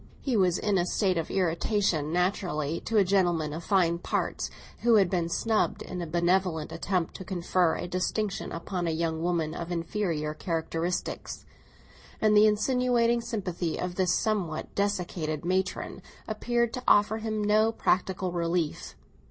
He was in a state of irritation natural to a gentleman of fine parts who had been snubbed in a benevolent attempt to confer a distinction upon a young woman of inferior characteristics, and the insinuating sympathy of this somewhat desiccated matron appeared to offer him no practical relief.